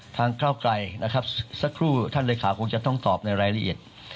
ก้าวไกลนะครับสักครู่ท่านเลขาคงจะต้องตอบในรายละเอียด